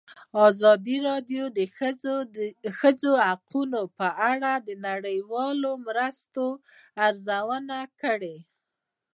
ازادي راډیو د د ښځو حقونه په اړه د نړیوالو مرستو ارزونه کړې.